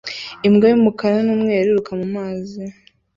Imbwa y'umukara n'umweru iriruka mu mazi